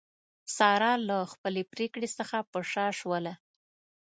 ساره له خپلې پرېکړې څخه په شا شوله.